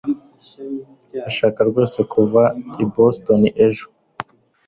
Urashaka rwose kuva i Boston ejo